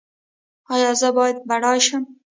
ایا زه باید بډای شم؟